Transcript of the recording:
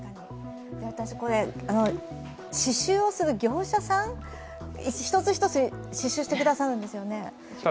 私、これ刺しゅうをする業者さん１つ１つ刺しゅうしてくださるんですよね。